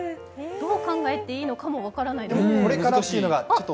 どう考えいいのかも分からないです。